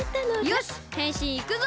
よしへんしんいくぞ！